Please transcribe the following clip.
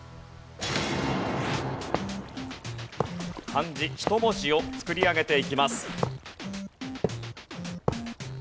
漢字１文字を作り上げていきます。